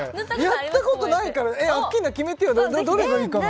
塗ったことないからえっアッキーナ決めてよどれがいいかな？